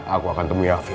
aku akan temui afif